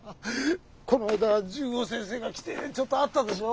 この間十五先生が来てちょっとあったでしょ？